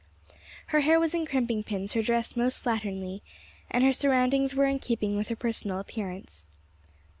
Her hair was in crimping pins, her dress most slatternly, and her surroundings were in keeping with her personal appearance.